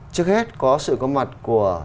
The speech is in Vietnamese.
trước hết có sự có mặt của